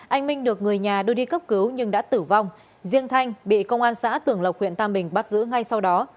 anh minh được người nhà đưa đi cấp cứu nhưng đã tử vong riêng thanh bị công an xã tường lộc huyện tam bình bắt giữ ngay sau đó